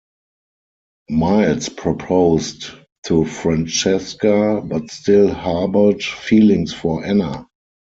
Miles proposed to Francesca, but still harboured feelings for Anna.